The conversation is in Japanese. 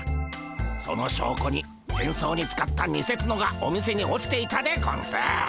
その証拠に変装に使ったにせツノがお店に落ちていたでゴンス。